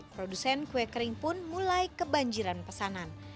produsen kue kering pun mulai kebanjiran pesanan